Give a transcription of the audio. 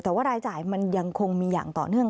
แต่ว่ารายจ่ายมันยังคงมีอย่างต่อเนื่อง